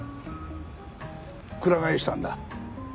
くら替えしたんだ。